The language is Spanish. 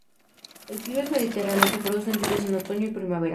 El clima es mediterráneo; se producen lluvias en otoño y primavera.